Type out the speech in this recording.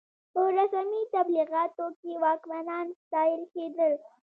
په رسمي تبلیغاتو کې واکمنان ستایل کېدل.